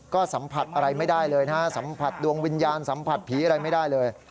ก็สัมผัสอะไรไม่ได้เลยนะฮะสัมผัสดวงวิญญาณสัมผัสผีอะไรไม่ได้เลย